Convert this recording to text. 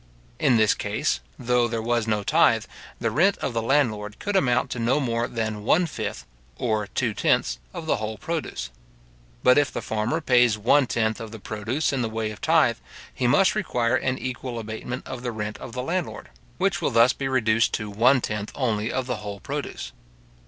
In this case, though there was no tythe, the rent of the landlord could amount to no more than one fifth or two tenths of the whole produce. But if the farmer pays one tenth of the produce in the way of tythe, he must require an equal abatement of the rent of the landlord, which will thus be reduced to one tenth only of the whole produce.